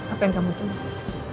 apa yang kamu tulis